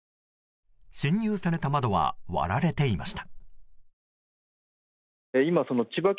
侵入された窓は割られていました。